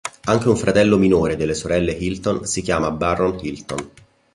Anche un fratello minore delle sorelle Hilton si chiama Barron Hilton.